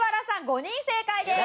５人正解です。